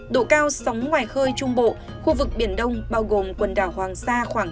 độ cao sóng ngoài khơi trung bộ khu vực biển đông bao gồm quần đảo hoàng sa khoảng hai ba m